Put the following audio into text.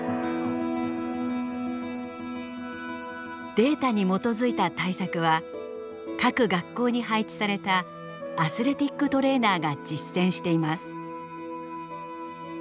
データに基づいた対策は各学校に配置されたアスレティックトレーナーが実践しています。